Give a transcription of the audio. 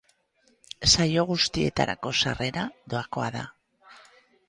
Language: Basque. Saio guztietarako sarrera doakoa da.